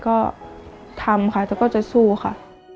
ก็ทำค่ะแต่ก็จะสู้ค่ะ